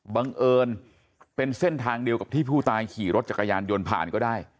บังเอิญเป็นเส้นทางเดียวกับที่ผู้ตายขี่รถจักรยานยนต์ผ่านก็ได้